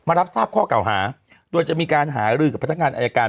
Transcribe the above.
รับทราบข้อเก่าหาโดยจะมีการหารือกับพนักงานอายการ